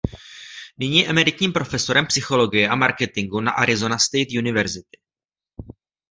Nyní je emeritním profesorem psychologie a marketingu na Arizona State University.